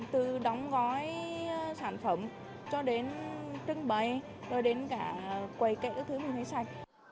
từ đóng gói sản phẩm cho đến trưng bày rồi đến cả quầy kẹt các thứ mình thấy sạch